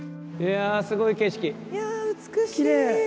いやあ美しい！